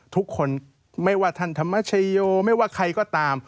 ทุกคนไม่ว่าท่านธรรมชโยไม่ว่าใครก็ตาม